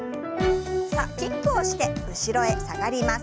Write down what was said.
さあキックをして後ろへ下がります。